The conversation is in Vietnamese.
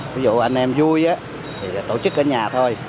ví dụ anh em vui thì tổ chức ở nhà thôi